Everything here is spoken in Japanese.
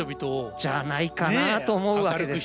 じゃないかなと思うわけです。